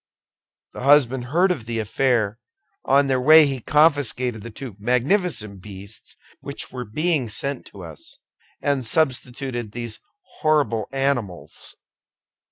The husband heard of the affair; on their way he confiscated the two magnificent beasts which were being sent to us, and substituted these horrible animals."